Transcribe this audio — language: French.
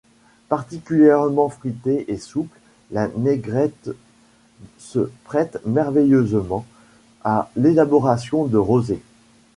Particulièrement fruitée et souple, la négrette se prête merveilleusement à l’élaboration de rosés.